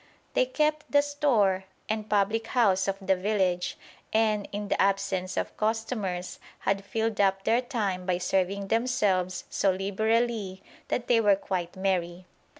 They kept the store and public house of the village, and, in the absence of customers, had filled up their time by serving themselves so liberally that they were quite merry.